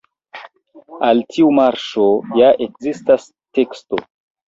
Al tiu marŝo ja ekzistis teksto.